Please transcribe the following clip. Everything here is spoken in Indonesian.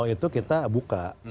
itu kita buka